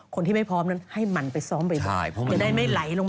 คนที่ไม่พร้อมนั้นให้มันไปซ้อมไป